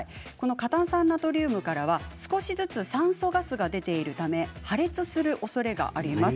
過炭酸ナトリウムからは少し酸素ガスが出ているため破裂するおそれがあります。